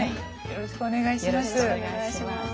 よろしくお願いします。